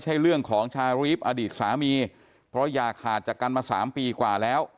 ใช่เรื่องของชารีฟอดีตสามีเพราะอย่าขาดจากกันมา๓ปีกว่าแล้ว